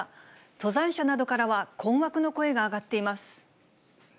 登山者などからは、困惑の声が上がっています。